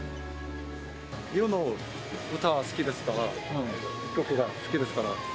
日本の歌が好きですから、曲が好きですから。